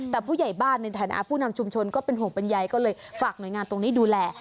แต่ผู้ใหญ่บ้านในฐานะผู้นำชุมชนก็เป็นห่วงเป็นใยก็เลยฝากหน่วยงานตรงนี้ดูแล